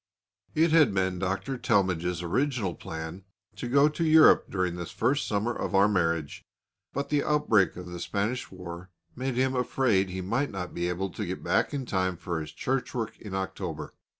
It had been Dr. Talmage's original plan to go to Europe during this first summer of our marriage, but the outbreak of the Spanish war made him afraid he might not be able to get back in time for his church work in October.